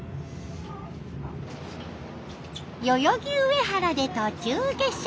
代々木上原で途中下車。